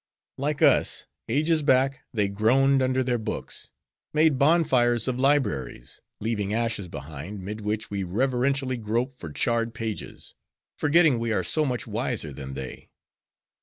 Like us, ages back they groaned under their books; made bonfires of libraries, leaving ashes behind, mid which we reverentially grope for charred pages, forgetting we are so much wiser than they.